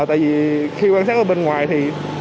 tại vì khi quan sát ở bên ngoài thì